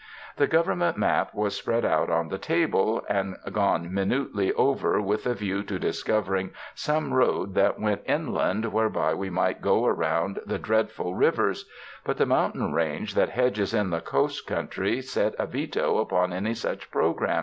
The Government map was spread out on the table, and gone minutely over with a view to discovering some road that went in land whereby we might go around the dreadful riv ers, but the mountain range that hedges in the coast country set a veto upon any such program.